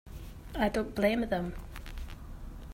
I don't blame them.